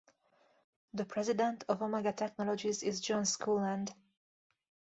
The President of Omega Technologies is John Schoolland.